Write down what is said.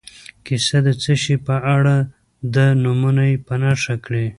کیسه د څه شي په اړه ده نومونه په نښه کړي.